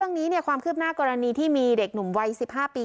เรื่องนี้ความคืบหน้ากรณีที่มีเด็กหนุ่มวัย๑๕ปี